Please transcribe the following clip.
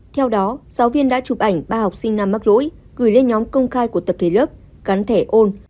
theo đó giáo viên đã chụp ảnh ba học sinh nam mắc lỗi gửi lên nhóm công khai của tập thể lớp gắn thẻ ôn